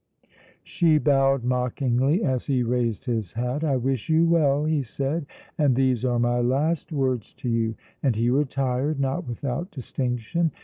She bowed mockingly as he raised his hat. "I wish you well," he said, "and these are my last words to you"; and he retired, not without distinction.